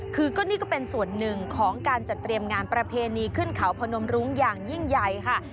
คือก็นี่ก็เป็นส่วนหนึ่งของการจัดเตรียมงานประเพณีขึ้นเขาพนมรุ้งอย่างยิ่งใหญ่ค่ะ